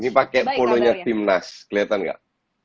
ini pakai polonya timnas kelihatan nggak